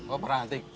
oh barang antik